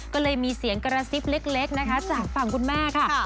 ก็เลยมีเสียงกระซิบเล็กนะคะจากฝั่งคุณแม่ค่ะ